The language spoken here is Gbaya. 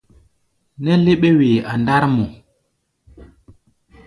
Nɛ́ léɓé-wee a ndár mɔ.